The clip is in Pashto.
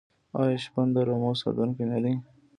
آیا شپون د رمو ساتونکی نه دی؟